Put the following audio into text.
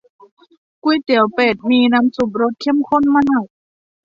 ก๋วยเตี๋ยวเป็ด มีน้ำซุปรสเข้มข้นมาก